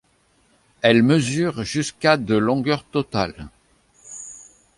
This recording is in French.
Elle mesure jusqu'à de longueur totale.